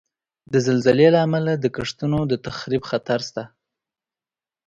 د زلزلې له امله د کښتونو د تخریب خطر شته.